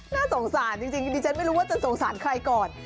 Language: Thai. น่าสงสารจริงดิฉันไม่รู้ว่าจะสงสารใครก่อน